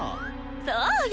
そうよ。